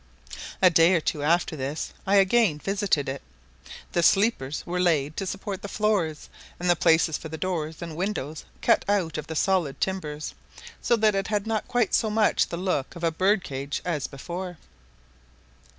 A day or two after this I again visited it. The sleepers were laid to support the floors, and the places for the doors and windows cut out of the solid timbers, so that it had not quite so much the look of a bird cage as before.